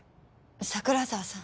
桜沢さん。